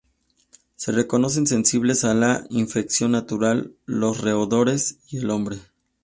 Se reconocen sensibles a la infección natural los roedores y el hombre.